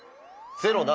０７。